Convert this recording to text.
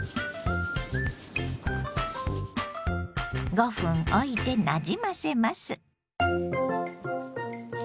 ５分置いてなじませます。